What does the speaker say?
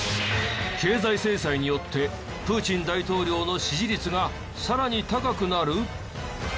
経済制裁によってプーチン大統領の支持率がさらに高くなる？